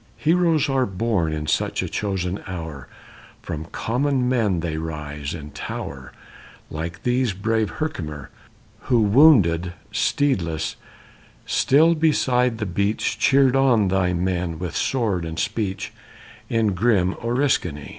Heroes are born in such a chosen hour; From common men they rise, and tower, Like thee, brave Herkimer! Who wounded, steedless, still beside the beech Cheered on thy men, with sword and speech, In grim Oriskany.